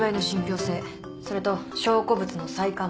それと証拠物の再鑑定。